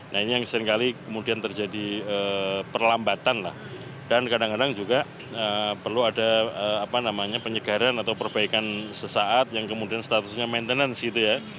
nah ini yang seringkali kemudian terjadi perlambatan lah dan kadang kadang juga perlu ada penyegaran atau perbaikan sesaat yang kemudian statusnya maintenance gitu ya